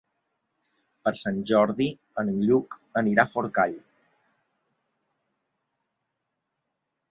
Per Sant Jordi en Lluc anirà a Forcall.